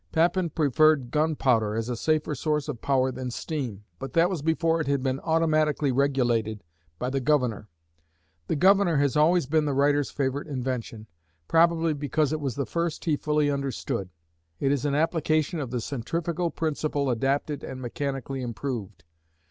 Papin preferred gunpowder as a safer source of power than steam, but that was before it had been automatically regulated by the "Governor." The governor has always been the writer's favorite invention, probably because it was the first he fully understood. It is an application of the centrifugal principle adapted and mechanically improved.